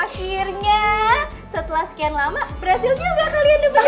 akhirnya setelah sekian lama berhasil juga kalian depan